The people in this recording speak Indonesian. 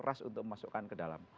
rush untuk dimasukkan ke dalam